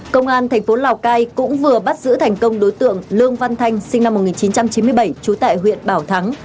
công an thành phố lào cai cũng vừa bắt giữ thành công đối tượng lương văn thanh sinh năm một nghìn chín trăm chín mươi bảy trú tại huyện bảo thắng